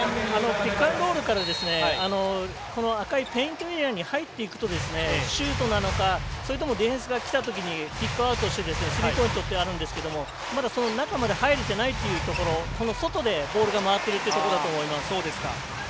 ピックアンドロールから赤いペイントエリアに入っていくとシュートなのかディフェンスがきたときにピックアウトしてっていうのがあるんですがその中までは入れてないというところ、外でボールが回ってるところだと思います。